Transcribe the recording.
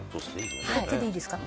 手でいいですか？